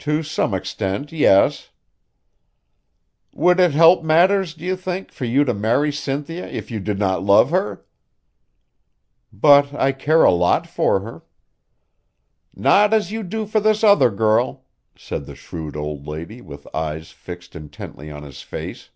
"To some extent, yes." "Would it help matters, do you think, for you to marry Cynthia if you did not love her?" "But I care a lot for her." "Not as you do for this other girl," said the shrewd old lady, with eyes fixed intently on his face.